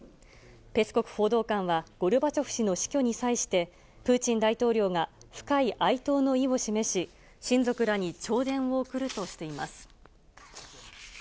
ペスコフ報道官は、ゴルバチョフ氏の死去に際して、プーチン大統領が深い哀悼の意を示し、親族らに弔電を送るとしています。